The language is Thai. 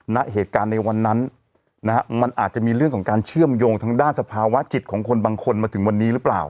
ณเหตุการณ์ในวันนั้นนะฮะมันอาจจะมีเรื่องของการเชื่อมโยงทางด้านสภาวะจิตของคนบางคนมาถึงวันนี้หรือเปล่า